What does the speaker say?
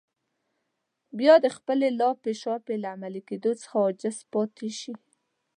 بيا د خپلې لاپې شاپې له عملي کېدو څخه عاجز پاتې شي.